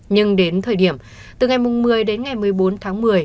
nhưng đến thời điểm từ ngày một mươi đến ngày một mươi bốn tháng một mươi